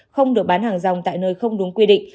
không được bán hàng rong tại nơi không đúng quy định